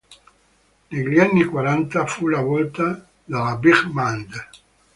Negli anni quaranta fu la volta della Big Band.